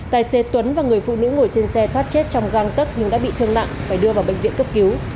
tài xế tuấn và người phụ nữ ngồi trên xe thoát chết trong găng tấc nhưng đã bị thương nặng phải đưa vào bệnh viện cấp cứu